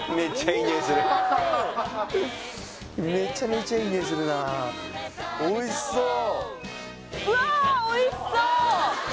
めちゃめちゃいい匂いするなおいしそう！